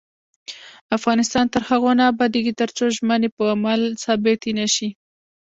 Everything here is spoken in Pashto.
افغانستان تر هغو نه ابادیږي، ترڅو ژمنې په عمل ثابتې نشي.